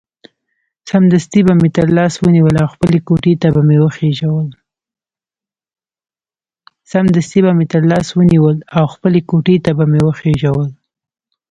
سمدستي به مې تر لاس ونیول او خپلې کوټې ته به مې وخېژول.